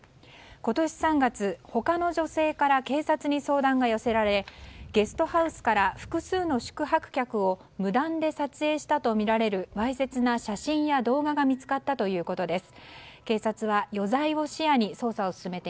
今年３月、他の女性から警察に相談が寄せられゲストハウスから複数の宿泊客を無断で撮影したとみられるわいせつな写真や動画が見つかったということです。